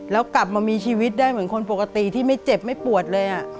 แล้วกลับมามีชีวิตได้เหมือนคนปกติที่ไม่เจ็บไม่ปวดเลย